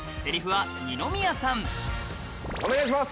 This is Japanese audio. お願いします。